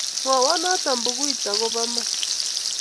Mwawa noto Buku-it ako bo iman